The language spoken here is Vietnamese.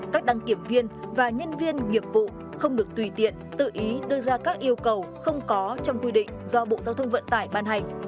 các đăng kiểm viên và nhân viên nghiệp vụ không được tùy tiện tự ý đưa ra các yêu cầu không có trong quy định do bộ giao thông vận tải ban hành